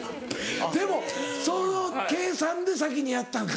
でもその計算で先にやったんか。